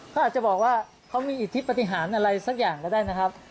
เขาอาจจะบอกว่าเขามีอิทธิปฏิหารอะไรสักอย่างก็ได้นะครับ